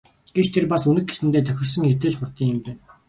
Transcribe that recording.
Гэвч тэр бас Үнэг гэсэндээ тохирсон хэрдээ л хурдан юм байна.